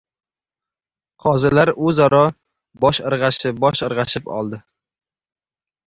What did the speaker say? Qozilar o‘zaro bosh irg‘ashib-bosh irg‘ashib oldi.